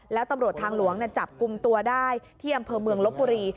แล้วตำรวจทางหลวงจับกลุ่มตัวได้ที่อำเภอเมืองลบบุรี